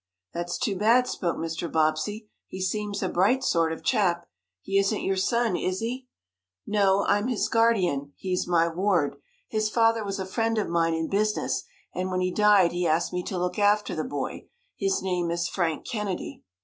"That's too bad," spoke Mr. Bobbsey. "He seems a bright sort of chap. He isn't your son, is he?" "No, I'm his guardian. He's my ward. His father was a friend of mine in business, and when he died he asked me to look after the boy. His name is Frank Kennedy."